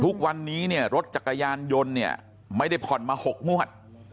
ทุกวันนี้เนี่ยรถจักรยานยนต์เนี่ยไม่ได้ผ่อนมา๖งวด